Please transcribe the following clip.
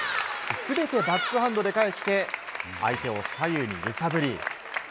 全てバックハンドで返して相手を左右に揺さぶり。